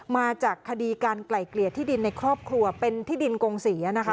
มาจากคดีการไกล่เกลี่ยที่ดินในครอบครัวเป็นที่ดินกงศรีนะคะ